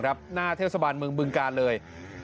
หน้าเทศบาลเมืองบึงกาลเลย